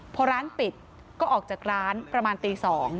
พอร้านปิดก็ออกจากร้านประมาณตี๒